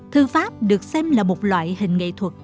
thư pháp được xem là một loại hình nghệ thuật